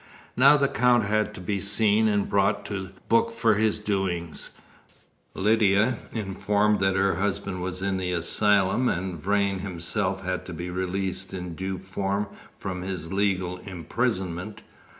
Now the Count had to be seen and brought to book for his doings, Lydia informed that her husband was in the asylum, and Vrain himself had to be released in due form from his legal imprisonment.